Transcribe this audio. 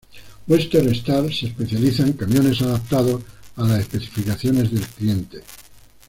Western Star se especializa en camiones adaptados a las especificaciones del cliente.